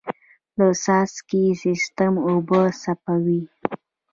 د څاڅکي سیستم اوبه سپموي.